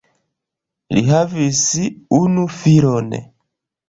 Li havis unu filon.